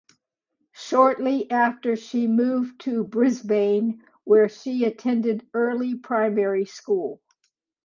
Shortly after she moved to Brisbane where she attended early primary school.